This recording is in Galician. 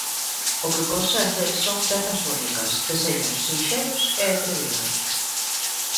O que consegue son pezas únicas, deseños sinxelos e atrevidos.